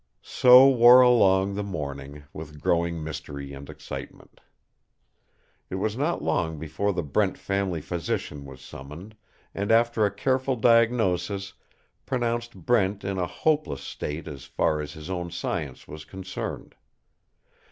So wore along the morning, with growing mystery and excitement. It was not long before the Brent family physician was summoned, and after a careful diagnosis pronounced Brent in a hopeless state as far as his own science was concerned.